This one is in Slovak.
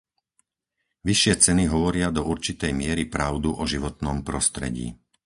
Vyššie ceny hovoria do určitej miery pravdu o životnom prostredí.